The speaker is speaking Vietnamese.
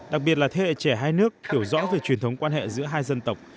đặc biệt là thế hệ trẻ hai nước hiểu rõ về truyền thống quan hệ giữa hai dân tộc